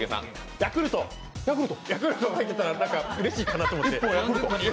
ヤクルト入ってたらうれしいかなって。